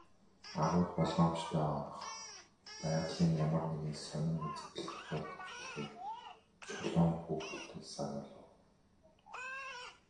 Агуйд болгоомжтой орох, байгалийн ямар нэгэн сонин үзэгдэл тохиолдож болохыг Чулуун хүүхдүүдэд сануулав.